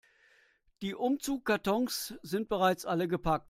Die Umzugskartons sind bereits alle gepackt.